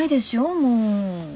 もう。